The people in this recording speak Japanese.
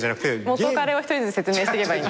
元カレを一人ずつ説明してけばいい。